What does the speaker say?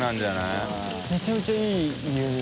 許）めちゃめちゃいい牛肉。